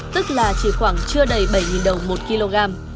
tức là chỉ khoảng chưa đầy bảy đồng một kg